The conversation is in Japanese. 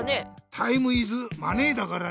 タイムイズマネーだからね。